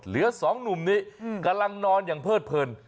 เหลือ๒หนุ่มนี้กำลังนอนอย่างเพิดเพลิน